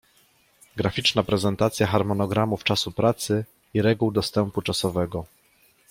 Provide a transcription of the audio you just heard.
Graficzna prezentacja harmonogramów czasu pracy i reguł dostępu czasowego